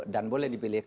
dan boleh dipilih